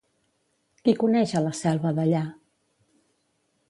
Qui coneix a la selva d'allà?